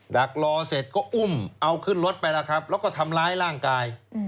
ดักรอเสร็จก็อุ่มเอาขึ้นรถไปแล้วก็ทำลายร่างกาย